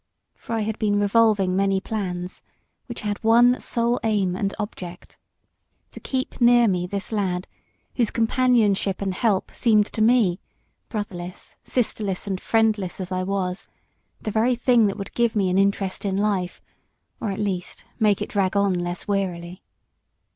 For I had been revolving many plans, which had one sole aim and object, to keep near me this lad, whose companionship and help seemed to me, brotherless, sisterless, and friendless as I was, the very thing that would give me an interest in life, or, at least, make it drag on less wearily.